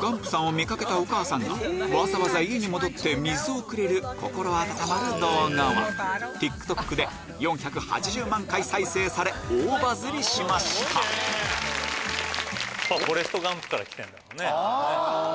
ガンプさんを見掛けたお母さんがわざわざ家に戻って水をくれる心温まる動画は大バズりしました『フォレスト・ガンプ』から来てるんだろうね。